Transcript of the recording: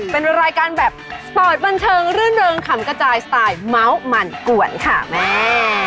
เป็นรายการแบบสปอร์ตบันเทิงรื่นเริงขำกระจายสไตล์เมาส์มันกวนค่ะแม่